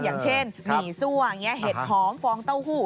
อย่างเช่นหมี่ซั่วอย่างนี้เห็ดหอมฟองเต้าหู้